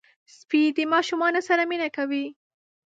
سپي د ماشومانو سره مینه کوي.